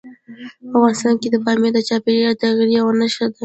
افغانستان کې پامیر د چاپېریال د تغیر یوه نښه ده.